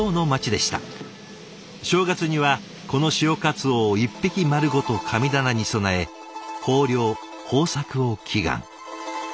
正月にはこの潮かつおを１匹丸ごと神棚に供え豊漁・豊作を祈願。